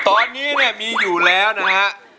ตอนนี้มีอยู่แล้วนะครับ